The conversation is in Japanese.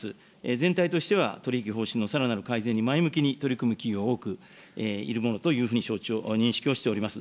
全体としては取り引き方針のさらなる改善に前向きに取り組む企業、多くいるものというふうに承知を、認識をしております。